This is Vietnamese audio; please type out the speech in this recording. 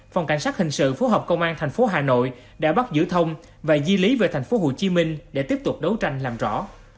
phòng cảnh sát hình sự phối hợp công an tp hcm đã bắt giữ thông và di lý về tp hcm để tiếp tục đấu tranh làm rõ